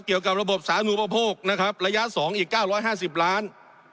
เกี่ยวกับระบบสานูประโพกนะครับระยะสองอีกเก้าร้อยห้าสิบล้าน